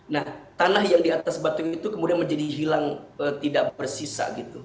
nah tanah yang diatas batu itu kemudian menjadi hilang tidak bersisa